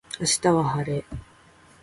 明日は晴れ